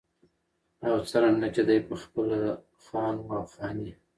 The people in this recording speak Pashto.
او څرنګه چې دى پخپله خان و او خاني